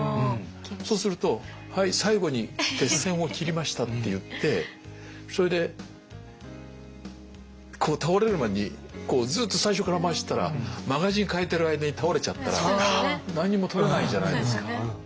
そうすると最後に鉄線を切りましたっていってそれでこう倒れる前にずっと最初から回してたらマガジン換えてる間に倒れちゃったら何にも撮れないじゃないですか。